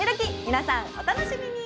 皆さんお楽しみに！